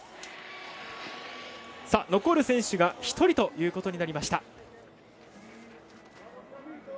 残る選手が１人ということになりました。